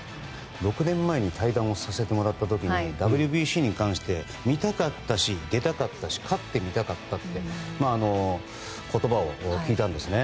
６年前に対談させてもらった時にＷＢＣに対して見たかったし、出たかったし勝ってみたかったって言葉を聞いたんですね。